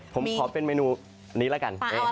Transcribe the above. ผมขอเป็นเมนูนี้แล้วกัน